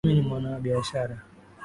Mimi ni mwana-biashara